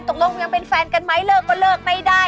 ตกลงยังเป็นแฟนกันไหมเลิกก็เลิกไม่ได้